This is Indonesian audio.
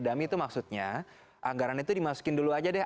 dami itu maksudnya anggaran itu dimasukin dulu aja deh